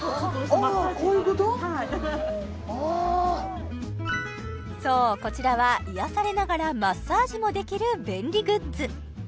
ああはいそうこちらは癒やされながらマッサージもできる便利グッズ